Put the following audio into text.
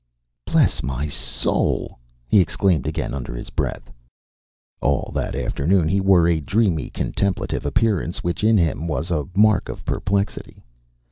"Bless my soul!" he exclaimed again under his breath. All that afternoon he wore a dreamy, contemplative appearance which in him was a mark of perplexity.